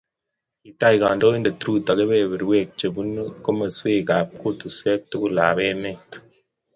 Kitach kandoindet Ruto kabeberstaek che bunu kokwecheshek ab kutuswek tukul ab emet